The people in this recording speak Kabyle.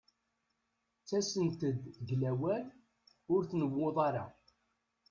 Ttasent-d deg lawan ur tnewwuḍ ara.